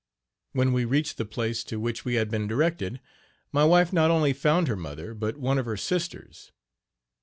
When we reached the place to which we had been directed, my wife not only found her mother but one of her sisters.